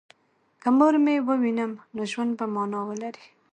که مور مې ووینم نو ژوند به مانا ولري